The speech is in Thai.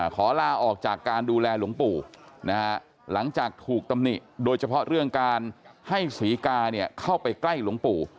ขอลาออกจากการดูแลหลวงปู่นะฮะหลังจากถูกตำหนิโดยเฉพาะเรื่องการให้ศรีกาเนี่ยเข้าไปใกล้หลวงปู่